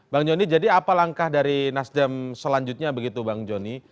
bang joni jadi apa langkah dari nasdem selanjutnya begitu bang joni